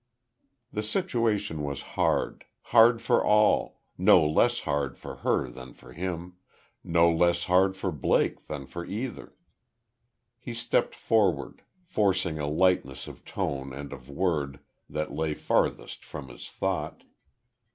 The situation was hard hard for all no less hard for her than for him no less hard for Blake than for either. He stepped forward, forcing a lightness of tone and of word that lay farthest from his thought.